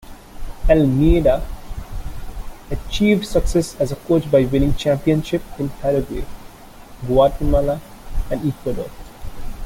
Almeida achieved success as a coach by winning championships in Paraguay, Guatemala and Ecuador.